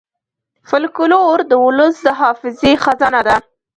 فلکور د ولس د حافظې خزانه ده.